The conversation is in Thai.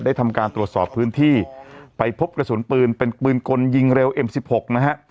ทำการตรวจสอบพื้นที่ไปพบกระสุนปืนเป็นปืนกลยิงเร็วเอ็มสิบหกนะฮะ